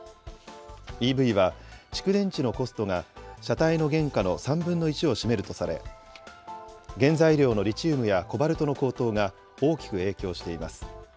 ＥＶは蓄電池のコストが車体の原価の３分の１を占めるとされ、原材料のリチウムやコバルトの高騰が大きく影響しています。